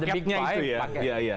paketnya itu ya